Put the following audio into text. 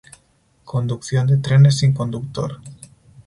Conducción de trenes sin conductor.